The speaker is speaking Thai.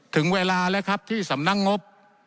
ถึงเวลาแล้วครับที่สำนักงบ